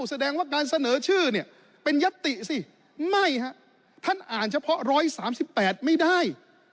แสดงว่าการเสนอชื่อเนี่ยเป็นยัตติสิไม่ฮะท่านอ่านเฉพาะ๑๓๘ไม่ได้